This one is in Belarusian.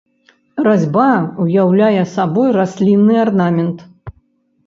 Разьба ўяўляе сабою раслінны арнамент.